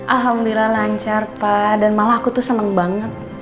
alhamdulillah lancar pak dan malah aku tuh seneng banget